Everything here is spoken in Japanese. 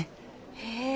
へえ